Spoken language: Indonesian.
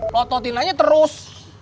loh totinanya terus